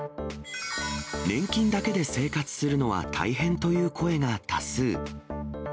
年金だけで生活するのは大変という声が多数。